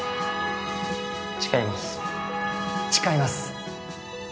誓います誓います